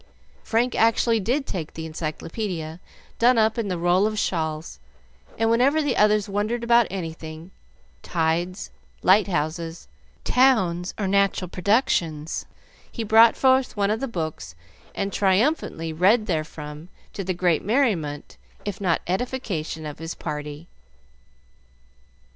Frank actually did take the Encyclopedia, done up in the roll of shawls, and whenever the others wondered about anything tides, lighthouses, towns, or natural productions he brought forth one of the books and triumphantly read therefrom, to the great merriment, if not edification, of his party.